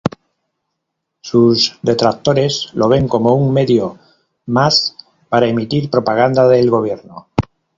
Sus detractores lo ven como un medio más para emitir propaganda del gobierno.